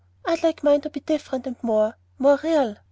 I'd like mine to be different, and more more real.